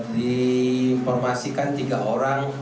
diinformasikan tiga orang